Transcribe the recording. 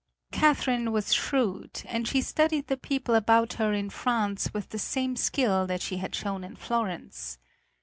Catherine was shrewd, and she studied the people about her in France with the same skill that she had shown in Florence.